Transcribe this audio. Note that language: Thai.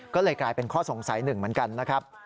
ก็เลยกลายเป็นข้อสงสัยหนึ่งเหมือนกันนะครับ